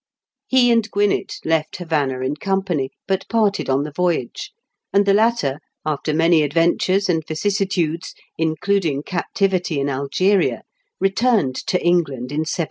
He and Gwinett left Havana in company, but parted on the voyage, and the latter, after many adventures and vicissi tudes, including captivity in Algeria, returned to England in 1730.